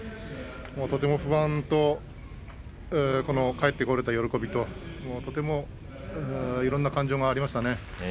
とても不安と帰ってこられた喜びといろんな感情がありましたね。